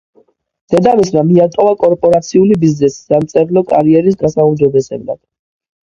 დედამისმა მიატოვა კორპორაციული ბიზნესი სამწერლო კარიერის გასაუმჯობესებლად.